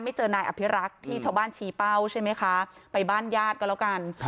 เจอนายอภิรักษ์ที่ชาวบ้านชี้เป้าใช่ไหมคะไปบ้านญาติก็แล้วกัน